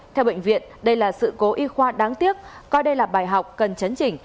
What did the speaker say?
theo bệnh viện đây là sự cố y khoa đáng tiếc coi đây là bài học cần chấn chỉnh